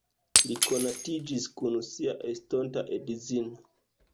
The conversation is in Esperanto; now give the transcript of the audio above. Li konatiĝis kun sia estonta edzino.